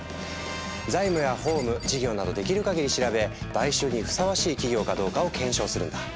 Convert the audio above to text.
財務や法務事業などできるかぎり調べ買収にふさわしい企業かどうかを検証するんだ。